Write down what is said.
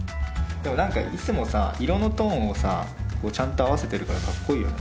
でも何かいつもさ色のトーンをちゃんと合わせてるからかっこいいよね。